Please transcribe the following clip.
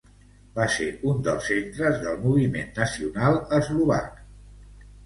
Va ser un dels centres del Moviment Nacional Eslovac.